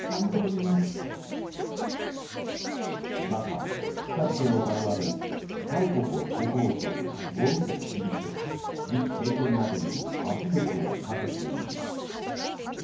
また、２日付の談話でも韓国の国防相をゴミと切り捨て次期政権などに圧力をかけている。